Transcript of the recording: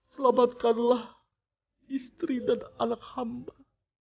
selamatkanlah istri dan anak hamba